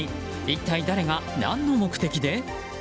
一体誰が、何の目的で？